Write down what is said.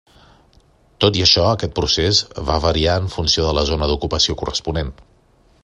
Tot i això, aquest procés va variar en funció de la zona d'ocupació corresponent.